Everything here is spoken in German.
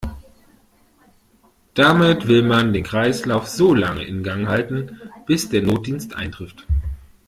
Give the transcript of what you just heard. Damit will man den Kreislauf solange in Gang halten, bis der Notdienst eintrifft.